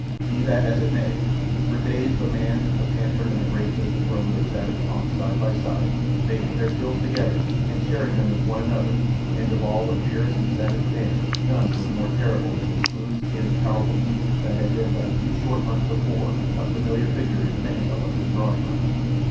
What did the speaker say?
Be that as it may, for days the man, the panther, and the great apes roamed their savage haunts side by side, making their kills together and sharing them with one another, and of all the fierce and savage band none was more terrible than the smooth skinned, powerful beast that had been but a few short months before a familiar figure in many a London drawing room.